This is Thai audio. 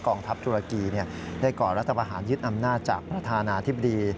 ทัพตุรกีได้ก่อรัฐบาหารยึดอำนาจจากประธานาธิบดี